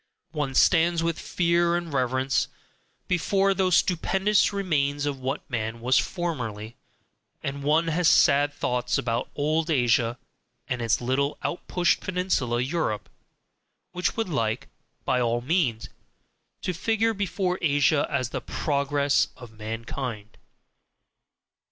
One stands with fear and reverence before those stupendous remains of what man was formerly, and one has sad thoughts about old Asia and its little out pushed peninsula Europe, which would like, by all means, to figure before Asia as the "Progress of Mankind."